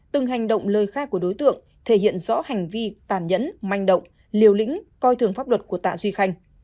từng hành động lời khai của đối tượng thể hiện rõ hành vi tàn nhẫn manh động liều lĩnh coi thường pháp luật của tạ duy khanh